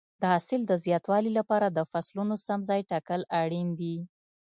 د حاصل د زیاتوالي لپاره د فصلونو سم ځای ټاکل اړین دي.